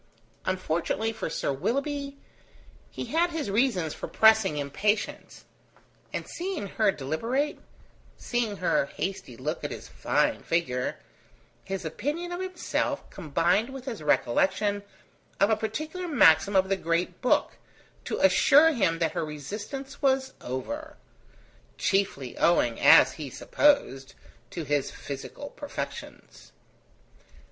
Unfortunately for Sir Willoughby, he had his reasons for pressing impatience; and seeing her deliberate, seeing her hasty look at his fine figure, his opinion of himself combined with his recollection of a particular maxim of the Great Book to assure him that her resistance was over: chiefly owing, as he supposed, to his physical perfections.